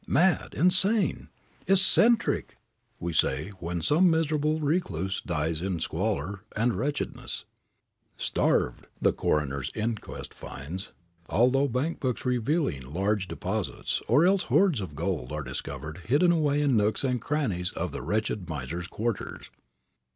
"Mad! Insane! Eccentric!" we say when some miserable recluse dies in squalor and wretchedness, "Starved," the coroner's inquest finds, although bank books revealing large deposits, or else hoards of gold, are discovered hidden away in nooks and crannies of the wretched miser's quarters.